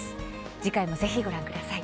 次回も、ぜひご覧ください。